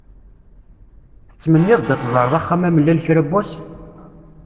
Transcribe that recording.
Tettmenniḍ-d ad d-teẓreḍ Axxam-Amellal kra n wass?